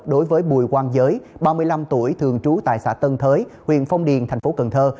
đối với bùi quang giới ba mươi năm tuổi thường trú tại xã tân thới huyện phong điền thành phố cần thơ